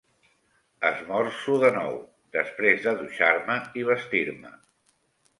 Esmorzo de nou, després de dutxar-me i vestir-me.